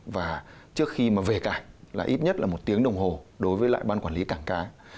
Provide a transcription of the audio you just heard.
và trước khi về cảng ít nhất là một tiếng đồng hồ đối với ban quản lý cảng cá